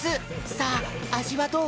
さああじはどう？